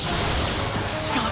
違う！